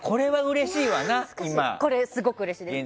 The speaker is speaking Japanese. これはすごくうれしいです。